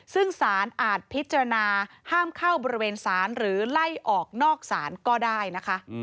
ซึ่งสารอาจพิจารณาห้ามเข้าบริเวณศาลหรือไล่ออกนอกศาลก็ได้นะคะ